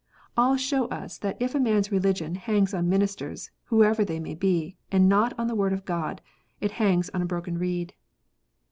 All show us that if a man s religion hangs on ministers, whoever they may be, and not on the Word of God, it hangs on a broken reed.